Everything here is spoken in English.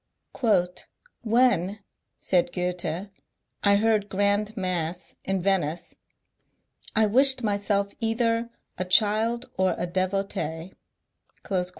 " When," said Gk>ethe, " I heard grand mass in Venice, I wished myself either a child or a devotee."